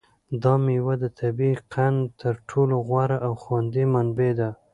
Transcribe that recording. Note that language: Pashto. دا مېوه د طبیعي قند تر ټولو غوره او خوندي منبع ده.